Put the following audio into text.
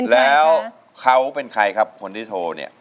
แล้วเขาเป็นใครครับคนที่โทรเนี่ย